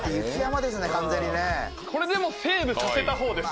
これでもセーブさせたほうです